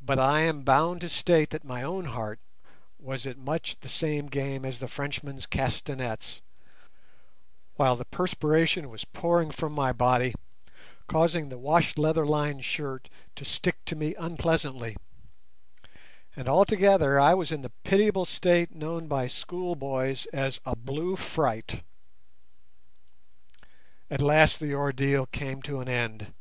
But I am bound to state that my own heart was at much the same game as the Frenchman's castanets, while the perspiration was pouring from my body, causing the wash leather lined shirt to stick to me unpleasantly, and altogether I was in the pitiable state known by schoolboys as a "blue fright". At last the ordeal came to an end.